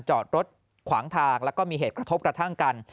จอดรถขวางทางแล้วก็มีเหตุกระทบกระทั่งกัน